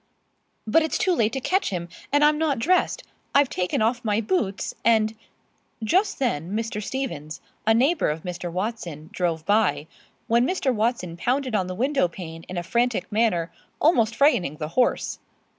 "But it's too late to catch him, and I'm not dressed. I've taken off my boots, and " Just then Mr. Stevens, a neighbor of Mr. Watson, drove by, when Mr. Watson pounded on the window pane in a frantic manner, almost frightening the horse.